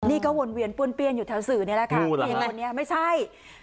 นี่ก็วนเวียนป้วนเปลี่ยนอยู่แถวสื่อเนี้ยแหละค่ะไม่ใช่